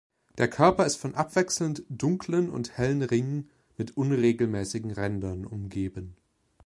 Der Körper ist von abwechselnd dunklen und hellen Ringen mit unregelmäßigen Rändern umgeben.